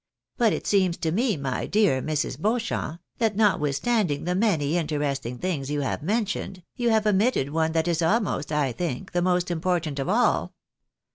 But it seems to me, my dear Mrs. Beauchamp, that not withstanding the many interesting things you have mentioned, you have omitted one that is ahnost, I think, the most important of all."